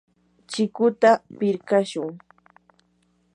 chikuta pirqashun.